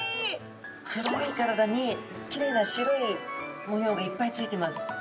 黒い体にきれいな白い模様がいっぱいついてます。